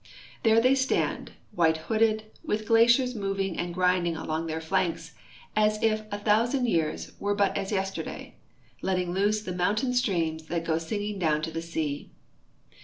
There they stand, white hooded, with glaciers moving and grinding along their flanks, as if a thousand years were but as yesterday, letting loose the mountain streams that go singing down to the sea.